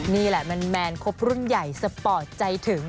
นี่แหละมันแมนครบรุ่นใหญ่สปอร์ตใจถึง